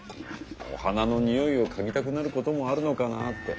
お花のにおいをかぎたくなる事もあるのかなって。